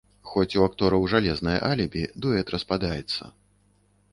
Хоць у актораў жалезнае алібі, дуэт распадаецца.